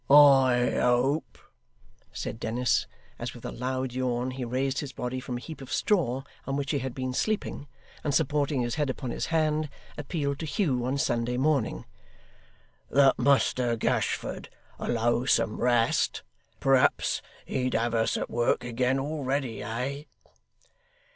'I hope,' said Dennis, as, with a loud yawn, he raised his body from a heap of straw on which he had been sleeping, and supporting his head upon his hand, appealed to Hugh on Sunday morning, 'that Muster Gashford allows some rest? Perhaps he'd have us at work again already, eh?